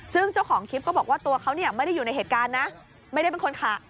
ซึ่งเจ้าของคลิปก็บอกว่าตัวเขาไม่ได้อยู่ในเหตุการณ์นะ